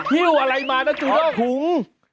พิ้วอะไรมานะจุดองค์ขอถุง